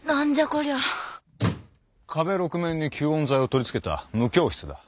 こりゃ壁６面に吸音材を取り付けた無響室だ。